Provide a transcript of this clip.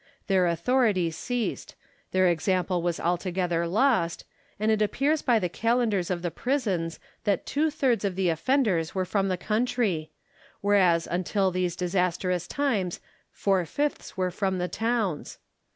Their autliority ceased ; their example was altogether lost, and it appears by the calendars of the prisons, that two Ihirds of the oflbnders were from the country ; whereas GENERAL LACY AND CUR A MERINO. 147 until these disastrous times four fifths were from the towns.